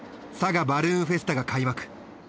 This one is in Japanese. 佐賀バルーンフェスタが開幕。